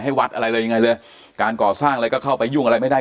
ให้วัดอะไรเลยการก่อสร้างอะไรก็เข้าไปยุ่งอะไรไม่ได้